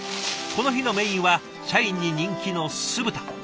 この日のメインは社員に人気の酢豚。